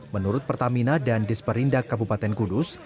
menurut pertamina dan disperindak kabupaten kudus